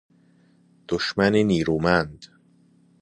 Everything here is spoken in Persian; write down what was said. دشمن نیرومند